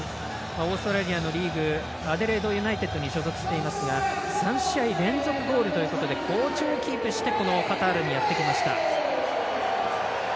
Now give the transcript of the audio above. オーストラリアのリーグアデレードユナイテッドに所属していますが３試合連続ゴールということで好調をキープしてこのカタールにやってきました。